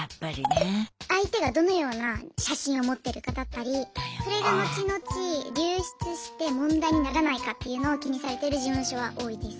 相手がどのような写真を持ってるかだったりそれが後々流出して問題にならないかっていうのを気にされてる事務所は多いです。